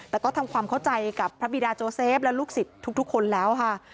แต่ก็ทำความเข้าใจกับพระบิดาโจเซฟและลูกศิษย์ทุกคนแล้วค่ะ